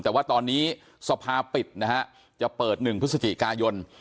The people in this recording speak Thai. แต่ว่าตอนนี้สภาปิดนะฮะจะเปิด๑พฤศจิกายน